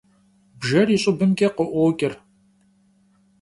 Бжэр и щӏыбымкӏэ къыӏуокӏыр.